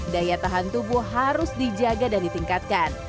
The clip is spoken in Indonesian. daya tahan tubuh harus dijaga dan ditingkatkan